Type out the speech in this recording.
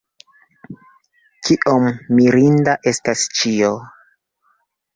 Kiom mirinda estas ĉio!